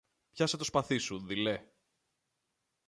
Πιάσε το σπαθί σου, δειλέ!